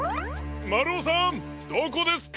まるおさんどこですか？